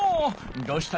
どうした？